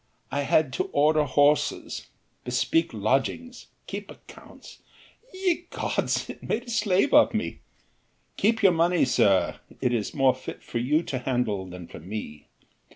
I had to order horses, bespeak lodgings, keep accounts. Ye gods, it made a slave of me! Keep your money, sir, it is more fit for you to handle than for me.